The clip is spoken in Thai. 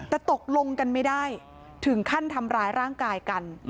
แต่ตกลงกันไม่ได้ถึงขั้นทำร้ายร่างกายกัน